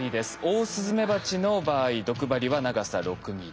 オオスズメバチの場合毒針は長さ６ｍｍ。